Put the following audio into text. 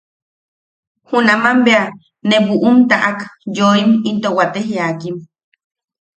Junaman bea ne buʼum taʼak yooim into wate jiakim.